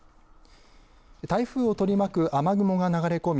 台風を取り巻く雨雲が流れ込み